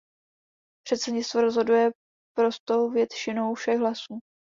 Předsednictvo rozhoduje prostou většinou všech hlasů.